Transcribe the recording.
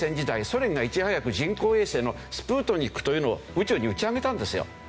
ソ連がいち早く人工衛星のスプートニクというのを宇宙に打ち上げたんですよ。